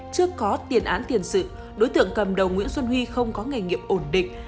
chưa có tiền án tiền sự đối tượng cầm đầu nguyễn xuân huy không có nghề nghiệp ổn định